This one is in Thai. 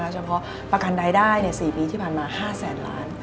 เฉพาะประกันรายได้๔ปีที่ผ่านมา๕แสนล้าน